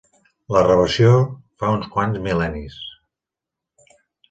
La reversió fa uns quants mil·lennis.